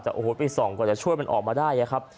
แต่โอ้โหไปส่องกว่าจะช่วยมันออกมาได้ครับ